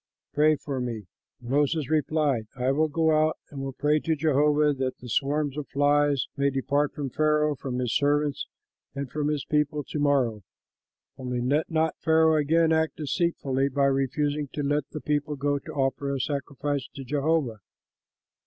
Pray for me." Moses replied, "I will go out and will pray to Jehovah that the swarms of flies may depart from Pharaoh, from his servants and from his people to morrow; only let not Pharaoh again act deceitfully by refusing to let the people go to offer a sacrifice to Jehovah."